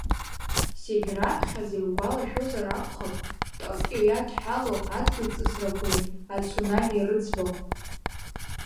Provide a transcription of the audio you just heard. Зегь раԥхьаӡа, иугәалашәозар акәхап, Токио иадҳәало адгьылҵысрақәеи ацунами рыӡбахә.